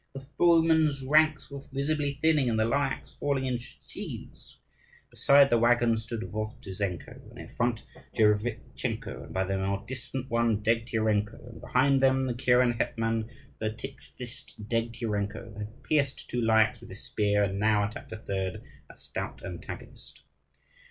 The foemen's ranks were visibly thinning, and the Lyakhs falling in sheaves. Beside the waggons stood Vovtuzenko, and in front Tcherevitchenko, and by the more distant ones Degtyarenko; and behind them the kuren hetman, Vertikhvist. Degtyarenko had pierced two Lyakhs with his spear, and now attacked a third, a stout antagonist.